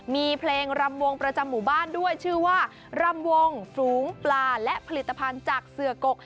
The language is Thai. มีเพลงรำวงประจำหมู่บ้านด้วยชื่อว่ารำวงฝูงปลาและผลิตภัณฑ์จากเสือกก